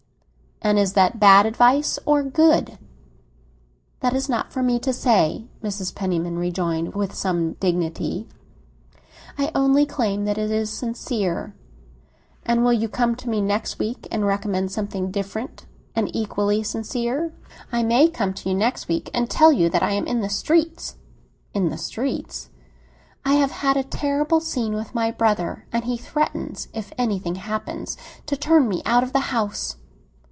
"And is that bad advice or good?" "That is not for me to say," Mrs. Penniman rejoined, with some dignity. "I only pretend it's sincere." "And will you come to me next week and recommend something different and equally sincere?" "I may come to you next week and tell you that I am in the streets!" "In the streets?" "I have had a terrible scene with my brother, and he threatens, if anything happens, to turn me out of the house.